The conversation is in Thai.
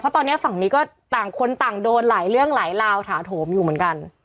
ตอนนี้ฝั่งนี้ก็ต่างคนต่างโดนหลายเรื่องหลายราวถาโถมอยู่เหมือนกัน